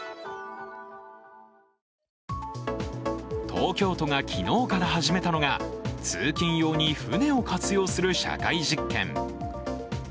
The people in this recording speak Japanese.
東京都が昨日から始めたのが通勤用に船を活用する社会実験。